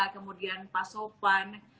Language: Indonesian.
kemudian pak sopan